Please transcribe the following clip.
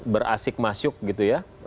berasik masuk gitu ya